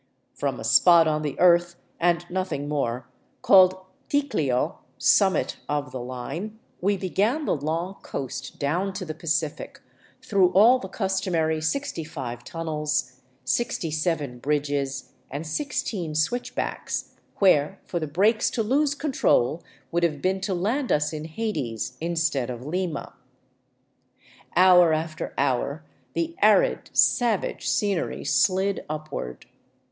From a spot on the earth — and nothing more — called Ticlio, summit of the line, we began the long coast down to the Pacific, through all the customary 65 tunnels, 67 bridges and 16 switchbacks, where for the brakes to lose control would have been to land us in Hades instead of Lima. Hour after hour the arid, savage scenery slid upward.